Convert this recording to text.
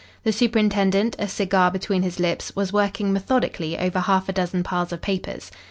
The superintendent, a cigar between his lips, was working methodically over half a dozen piles of papers.